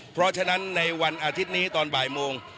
เพราะฉะนั้นในวันอาทิตย์นี้ตอนบ่ายโมง